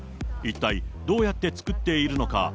一体、どうやって作っているのか。